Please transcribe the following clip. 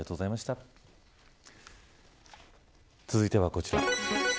続いてはこちら。